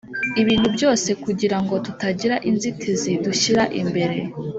Ibintu byose kugira ngo tutagira inzitizi dushyira imbere